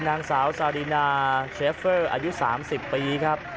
นางสาวซารินาเชฟเฟอร์อายุ๓๐ปีครับ